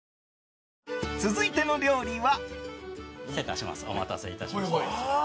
続いての料理は。